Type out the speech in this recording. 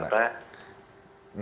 saya dedy jakarta